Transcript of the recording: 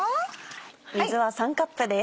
水は３カップです。